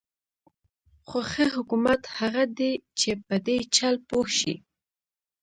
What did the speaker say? خو ښه حکومت هغه دی چې په دې چل پوه شي.